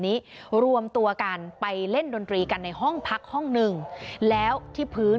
นี้รวมตัวกันไปเล่นดนตรีกันในห้องพักห้องหนึ่งแล้วที่พื้น